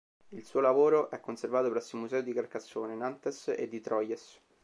Il suo lavoro è conservato presso i musei di Carcassonne, Nantes e di Troyes.